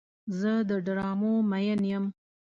زه د ډرامو مین یم.